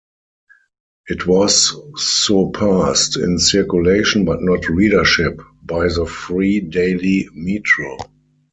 It was surpassed in circulation, but not readership, by the free daily "Metro".